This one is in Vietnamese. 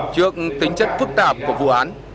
trước tính chất phức tạp của vụ án